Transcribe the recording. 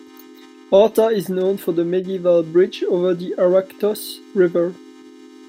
Arta is known for the medieval bridge over the Arachthos River.